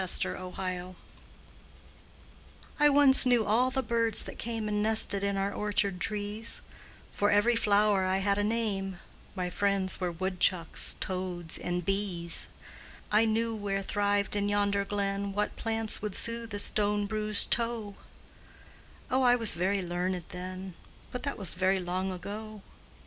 LONG AGO I once knew all the birds that came And nested in our orchard trees; For every flower I had a name My friends were woodchucks, toads, and bees; I knew where thrived in yonder glen What plants would soothe a stone bruised toe Oh, I was very learned then; But that was very long ago!